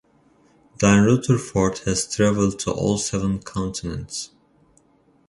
Dan Rutherford has traveled to all seven continents.